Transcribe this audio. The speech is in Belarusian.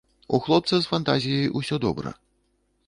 У хлопца з фантазіяй усё добра.